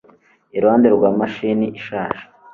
iruhande rwa mashini ishaje